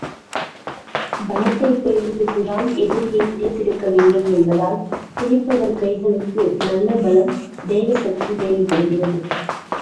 பலத்தைப் பிரயோகித்துத்தான் எதிரியைப் பிடித்திழுக்க வேண்டும் என்பதால், பிடிப்பவர் கைகளுக்கு நல்ல பலம், தேக சக்தி தேவைப்படுகிறது.